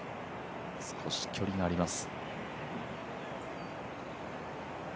少し距離があります。